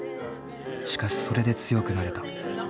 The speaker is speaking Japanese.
しかしそれで強くなれた。